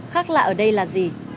khác lạ ở đây là gì